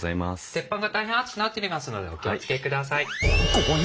鉄板が大変熱くなっておりますのでお気を付けください。